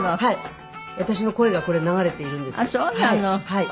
はい。